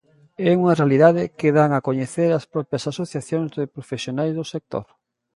É unha realidade que dan a coñecer as propias asociacións de profesionais do sector.